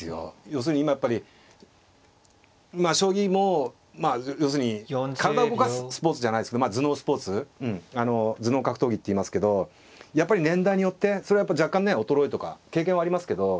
要するに今やっぱり将棋も要するに体を動かすスポーツじゃないですけどまあ頭脳スポーツ頭脳格闘技っていいますけどやっぱり年代によってそれはやっぱり若干ね衰えとか経験はありますけど。